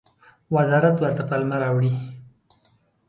وزارت ورته پلمه راوړي.